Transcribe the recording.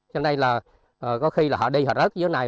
cho nên là có khi là họ đi họ rớt dưới này